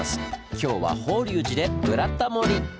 今日は法隆寺で「ブラタモリ」！